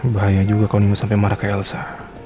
bahaya juga kalau lima sampai marah ke elsa